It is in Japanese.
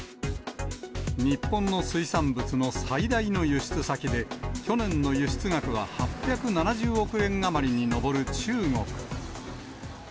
日本の水産物の最大の輸出先で、去年の輸出額は８７０億円余りに上る中国。